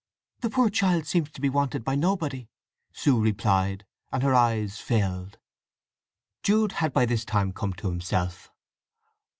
"The poor child seems to be wanted by nobody!" Sue replied, and her eyes filled. Jude had by this time come to himself.